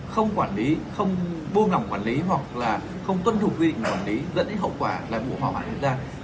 không quản lý không buông nòng quản lý hoặc là không tuân thủ quy định quản lý dẫn đến hậu quả là vụ hỏa bản hiện ra